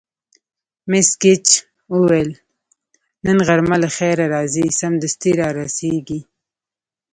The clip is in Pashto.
مس ګېج وویل: نن غرمه له خیره راځي، سمدستي را رسېږي.